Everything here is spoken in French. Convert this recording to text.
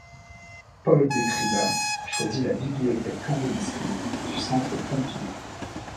Paul Destribats choisit la Bibliothèque Kandinsky du Centre Pompidou.